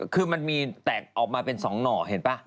คือมันมีแตกออกมาเป็น๒หน่อเห็นป่ะ